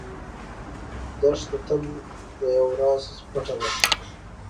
دښته تل د یو راز پټه ده.